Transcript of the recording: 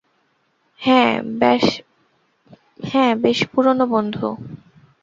হ্যাঁ, ব্যস পুরানো বন্ধু।